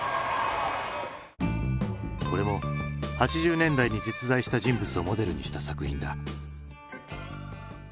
これも８０年代に実在した人物をモデルにした作品だ。